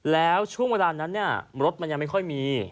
แล้วช่วงเวลานั้นรถมันยังไม่ค่อยมี